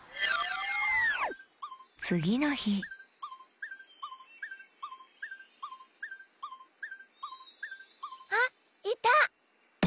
つぎのひあっいた！